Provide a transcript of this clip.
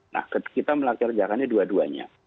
nah ketika kita melakukan vaksinasi kita bisa menghasilkan vaksinasi